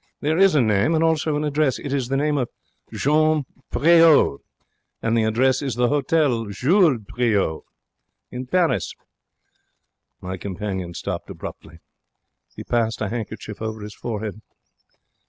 There is a name, and also an address. It is the name of Jean Priaulx, and the address is the Hotel Jules Priaulx, Paris.' My companion stopped abruptly. He passed a handkerchief over his forehead.